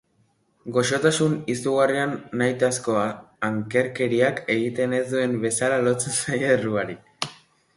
Goxotasun izugarria nahitazko ankerkeriak egiten ez duen bezala lotzen zaio erruari.